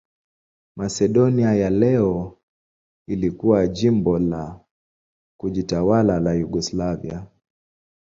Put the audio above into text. Masedonia ya leo ilikuwa jimbo la kujitawala la Yugoslavia.